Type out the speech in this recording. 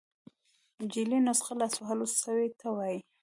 جعلي نسخه لاس وهل سوي ته وايي.